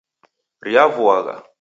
Riavuagha